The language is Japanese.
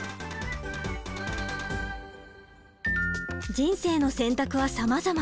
人生の選択はさまざま。